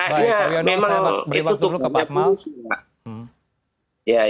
saya memang itu tukangnya penuh